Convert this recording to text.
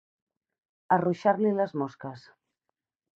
Arruixar-li les mosques.